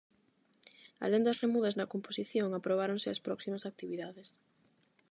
Alén das remudas na composición, aprobáronse as próximas actividades.